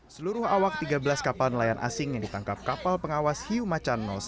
seluruh awak tiga belas kapal nelayan asing yang ditangkap kapal pengawas hieu ma chan satu